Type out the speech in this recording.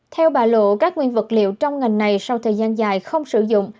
theo bà lộ các nguyên vật liệu trong ngành này sau thời gian dài không sử dụng